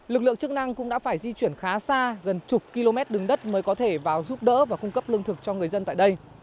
lực lượng chức năng cũng đã phải di chuyển khá xa gần chục km đường đất mới có thể vào giúp đỡ và cung cấp lương thực cho người dân tại đây